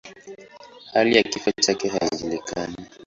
Hali ya kifo chake haijulikani.